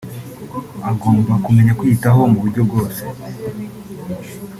agomba kumenya kwiyitaho mu buryo bwose